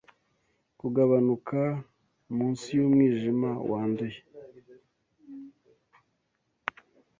kugabanuka Munsi yumwijima wanduye